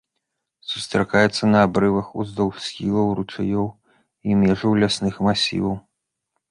Сустракаецца на абрывах, уздоўж схілаў, ручаёў і межаў лясных масіваў.